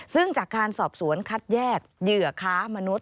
ซึ่งจากการสอบสวนคัดแยกเหยื่อค้ามนุษย